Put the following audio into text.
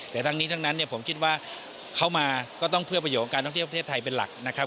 แต่ทั้งนี้ทั้งนั้นเนี่ยผมคิดว่าเขามาก็ต้องเพื่อประโยชนการท่องเที่ยวประเทศไทยเป็นหลักนะครับ